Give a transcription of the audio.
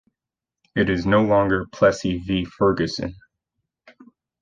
It is no longer Plessy v Ferguson.